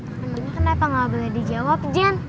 emang ini kenapa gak boleh dijawab jen